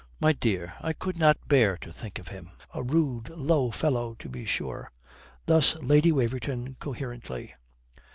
My dear, I could not bear to think of him. A rude, low fellow, to be sure," Thus Lady Waverton coherently.